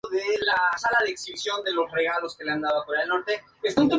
No fue nunca mi intención el escribir un libro.